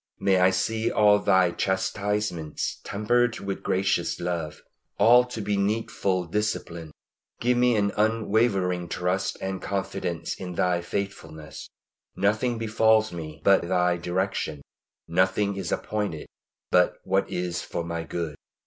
May I see all Thy chastisements tempered with gracious love all to be needful discipline. Give me an unwavering trust and confidence in Thy faithfulness. Nothing befalls me but by Thy direction; nothing is appointed but what is for my good.